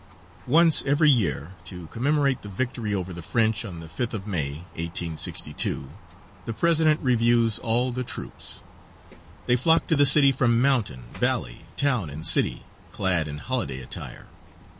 Once every year to commemorate the victory over the French on the 5th of May, 1862, the president reviews all the troops. They flock to the city from mountain, valley, town, and city, clad in holiday attire.